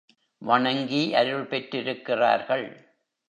வணங்கி அருள் பெற்றிருக்கிறார்கள்.